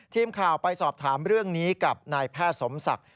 ทีมข่าวไปสอบถามเรื่องนี้กับนายแพทย์สมศักดิ์